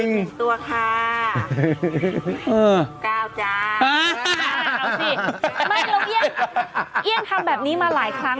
ไม่แล้วเอี๊ยนทำแบบนี้มาหลายครั้ง